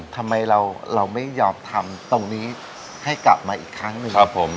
ทำไมเราไม่ยอมทำตรงนี้ให้กลับมาอีกครั้งหนึ่งครับผม